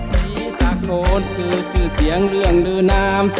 ผีตาโขนคือชื่อเสียงเรื่องลือน้ำ